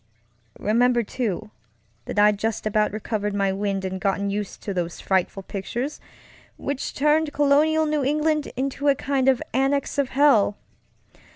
Remember, too, that I'd just about recovered my wind and gotten used to those frightful pictures which turned colonial New England into a kind of annex of hell.